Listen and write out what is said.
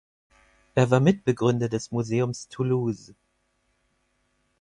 Er war Mitbegründer des Museum Toulouse.